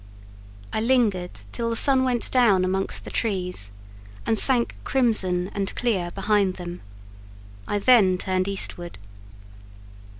I lingered till the sun went down amongst the trees, and sank crimson and clear behind them. I then turned eastward.